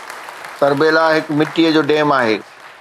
تربيلا هڪ مٽيءَ جو ڊيم آهي